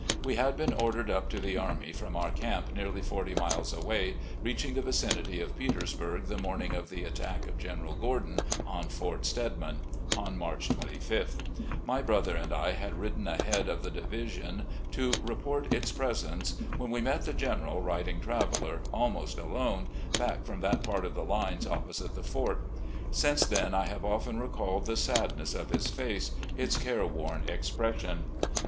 We had been ordered up to the army from our camp nearly forty miles away, reaching the vicinity of Petersbturg the morning of the attack of General Gk)rdon on Fort Stedman, on March 25th. My THE SURRENDER 147 brother and I had ridden ahead of the division to report its presence, when we met the General riding Traveller, almost alone, back from that part of the lines opposite the fort. Since then I have often recalled the sadness of his face, its careworn expression.